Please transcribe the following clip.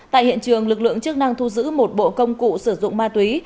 tại hiện trường lực lượng chức năng thu giữ một bộ công cụ sử dụng ma túy